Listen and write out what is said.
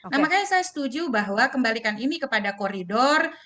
nah makanya saya setuju bahwa kembalikan ini kepada koridor